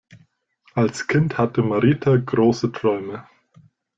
Als Kind hatte Marita große Träume.